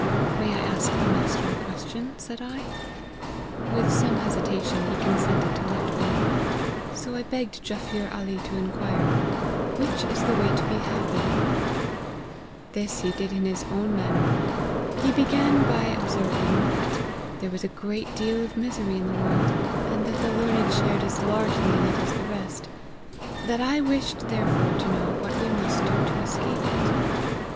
* May I ask the master a question ?' said I. With some hesitation he consented to let me : so I begged Jaffier Ali to inquire, ' Which is the* way to be happy ?'" This he did in his own manner : he began by observing, that ' there was a great deal of misery in the world, and that the learned shared as largely in it as the rest ; that I wished, therefore, to know what we must de to escape it.'